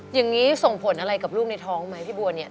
อย่างนี้ส่งผลอะไรกับลูกในท้องไหมพี่บัวเนี่ย